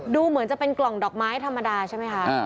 ดูเหมือนจะเป็นกล่องดอกไม้ธรรมดาใช่ไหมคะ